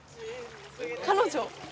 彼女？